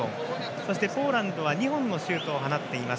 そしてポーランドは２本シュートを放っています。